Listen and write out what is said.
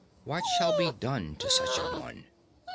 What shall be done to such an one?